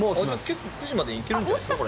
結構、９時までに行けるんじゃないですか？